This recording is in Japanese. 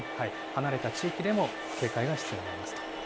離れた地域でも警戒が必要になりますと。